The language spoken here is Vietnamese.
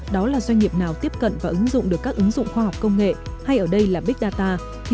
đó là doanh nghiệp nào tiếp cận và ứng dụng được các ứng dụng khoa học công nghệ hay ở đây là big data